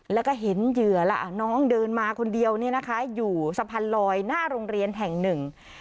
แล้วก็เห็นเหยื่อล่ะน้องเดินมาคนเดียวเนี่ยนะคะอยู่สะพานลอยหน้าโรงเรียนแห่งหนึ่ง